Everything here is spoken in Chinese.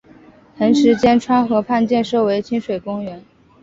横十间川河畔建设为亲水公园。